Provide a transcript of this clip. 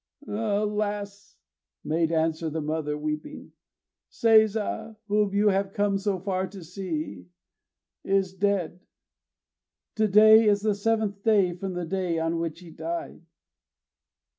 _ "Alas!" made answer the mother, weeping, "Seiza, whom you have come so far to see, is dead. To day is the seventh day from the day on which he died."